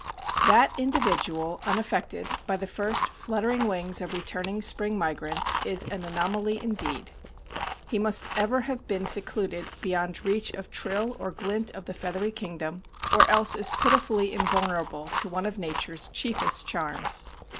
That individual unaffected by the first fluttering wings of returning spring migrants is an anomaly indeed. He must ever have been secluded beyond reach of trill or glint of the feathery kingdom, or else is pitifully invulnerable to one of nature's chiefest charms.